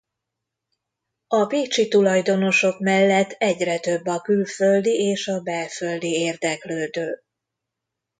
A pécsi tulajdonosok mellett egyre több a külföldi és a belföldi érdeklődő.